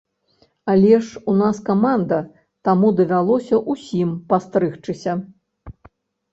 Але ж у нас каманда, таму давялося ўсім пастрыгчыся.